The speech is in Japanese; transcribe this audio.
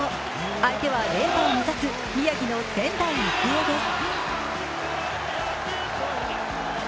相手は連覇を目指す宮城の仙台育英です。